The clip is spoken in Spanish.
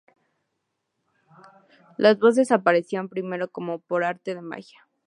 Las voces aparecían primero como por arte de magia.